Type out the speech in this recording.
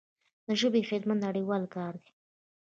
د ژبې خدمت نړیوال کار دی.